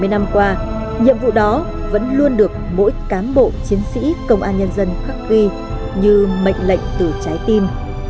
bảy mươi năm qua nhiệm vụ đó vẫn luôn được mỗi cán bộ chiến sĩ công an nhân dân khắc ghi như mệnh lệnh từ trái tim